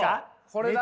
これだな。